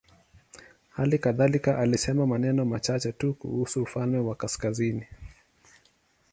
Hali kadhalika alisema maneno machache tu kuhusu ufalme wa kaskazini.